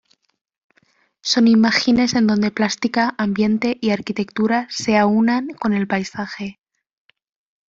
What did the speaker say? Son imágenes en donde plástica, ambiente y arquitectura se aúnan con el paisaje.